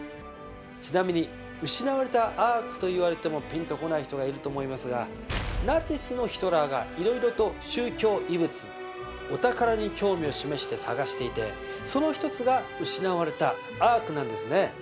ちなみに「失われたアーク」と言われてもピンとこない人がいると思いますがナチスのヒトラーがいろいろと宗教遺物お宝に興味を示して探していてその一つが「失われたアーク」なんですね。